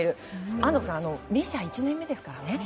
安藤さんメジャー１年目ですからね。